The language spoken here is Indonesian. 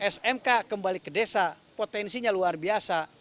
smk kembali ke desa potensinya luar biasa